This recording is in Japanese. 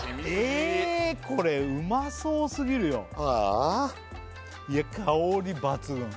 えこれうまそうすぎるよああ